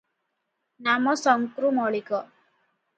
ନାମ ଶଙ୍କ୍ରୁ ମଳିକ ।